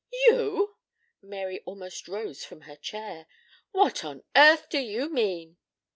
"You!" Mary almost rose from her chair. "What on earth do you mean?"